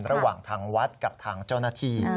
ระหว่างทางวัดกับทางเจ้าหน้าที่